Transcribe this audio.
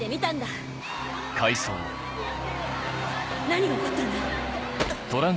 何が起こったんだ？